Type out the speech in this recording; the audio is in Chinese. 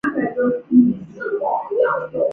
新罗萨兰迪亚是巴西托坎廷斯州的一个市镇。